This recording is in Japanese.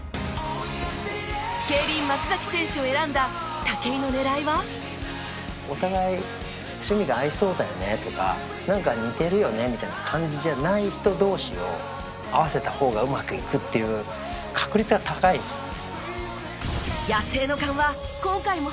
競輪松崎選手を選んだ「お互い趣味が合いそうだよね」とか「なんか似てるよね」みたいな感じじゃない人同士を合わせた方がうまくいくっていう確率が高いですよね。